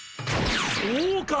そうか！